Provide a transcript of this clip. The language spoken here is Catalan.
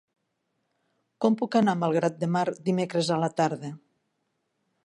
Com puc anar a Malgrat de Mar dimecres a la tarda?